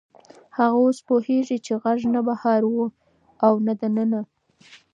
هغه اوس پوهېږي چې غږ نه بهر و او نه دننه.